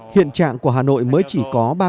hiện trạng của hà nội mới chỉ có